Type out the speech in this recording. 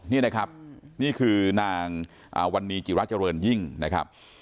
นี่นะครับนี่คือนางวันนี้จิระเจริญยิ่งนะครับ